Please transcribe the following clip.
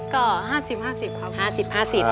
ก็๕๐๕๐ครับ